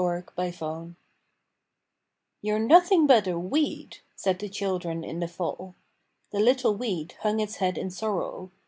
THE LITTLE WEED "You're nothing but a weed," said the children in the fall. The little weed hung its head in sorrow.